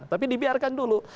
tapi dibiarkan dulu